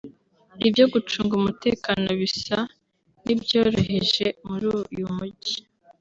Ibyo gucunga umutekano bisa n’ibyoroheje muri uyu mujyi